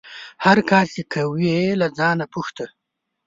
هر کار چې کوې له ځانه پوښته